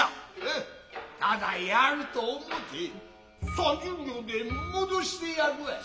只やると思うて三十両で戻してやるわい。